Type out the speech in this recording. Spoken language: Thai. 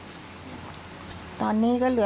สู้กับตัวเอง